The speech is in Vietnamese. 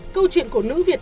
câu chuyện của nữ việt nam